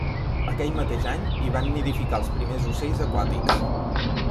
Aquell mateix any hi van nidificar els primers ocells aquàtics.